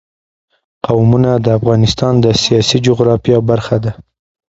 قومونه د افغانستان د سیاسي جغرافیه برخه ده.